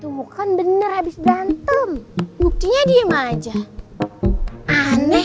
tunggu kan bener habis berantem buktinya diem aja aneh